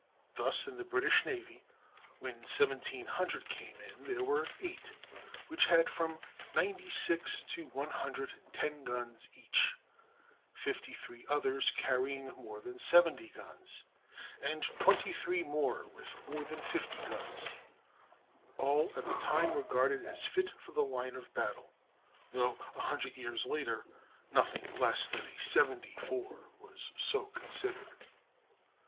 Thus in the British navy when 1700 came in there were eight which had from ninety six to one hundred and ten guns each—fifty three others carrying more than seventy guns, and twenty three more with more than fifty guns—all at that time regarded as fit for the line of battle, though a hundred years later nothing less than a "seventy four" was so considered.